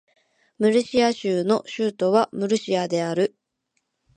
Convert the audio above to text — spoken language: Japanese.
ムルシア州の州都はムルシアである